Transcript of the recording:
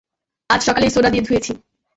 আজ সকালেই সোডা দিয়ে ধুয়েছি।